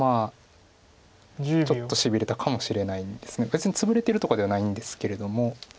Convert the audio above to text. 別にツブれてるとかではないんですけれども。